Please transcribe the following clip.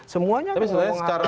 semuanya akan ngomong hal serupa